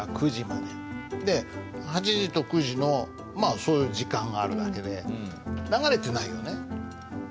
で８時と９時のそういう時間があるだけで流れてないよね。